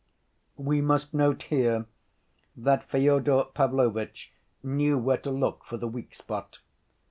We must note here that Fyodor Pavlovitch knew where to look for the weak spot.